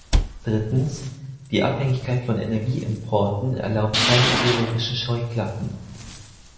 Drittens, die Abhängigkeit von Energieimporten erlaubt keine ideologischen Scheuklappen.